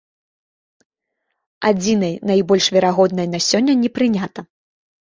Адзінай найбольш верагоднай на сёння не прынята.